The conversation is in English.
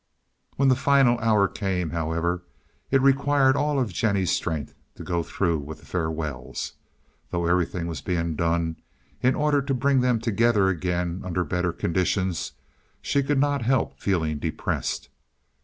When the final hour came, however, it required all of Jennie's strength to go through with the farewells. Though everything was being done in order to bring them together again under better conditions, she could not help feeling depressed.